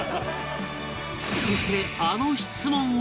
そしてあの質問を